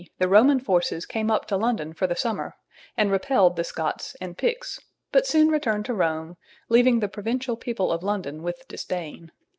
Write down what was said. the Roman forces came up to London for the summer, and repelled the Scots and Picts, but soon returned to Rome, leaving the provincial people of London with disdain.